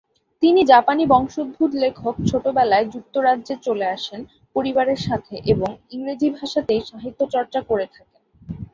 তিনি জাপানী বংশোদ্ভূত লেখক ছোটবেলায় যুক্তরাজ্যে চলে আসেন পরিবারের সাথে, এবং ইংরেজি ভাষাতেই সাহিত্যচর্চা করে থাকেন।